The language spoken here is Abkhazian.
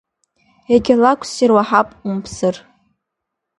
Егьа лакә ссир уаҳап умԥсыр!